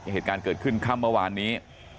เหตุการณ์เกิดขึ้นค่ำเมื่อวานนี้